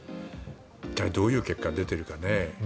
一体どういう結果が出ているかね。